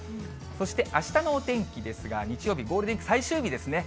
そして、あしたのお天気ですが、日曜日、ゴールデンウィーク最終日ですね。